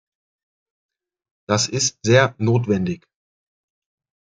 Das ist sehr notwendig.